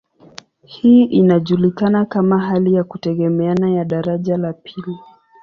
Hii inajulikana kama hali ya kutegemeana ya daraja la pili.